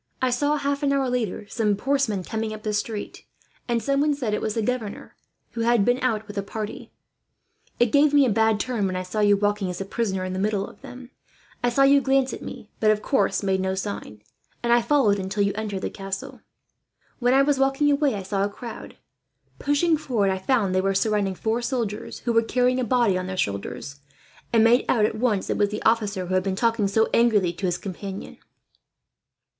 "I saw, half an hour, later some horsemen coming up the street, and someone said that it was the governor, who had been out with a party. It gave me a bad turn, when I saw you walking as a prisoner in the middle of them. I saw you glance at me, but of course made no sign; and I followed until you entered the castle. "When I was walking away, I saw a crowd. Pushing forward, I found they were surrounding four soldiers who were carrying a body on their shoulders, and made out at once it was the officer who had been talking so angrily to his companion.